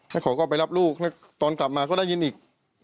เขาก็ไปรับลูกแล้วตอนกลับมาก็ได้ยินอีก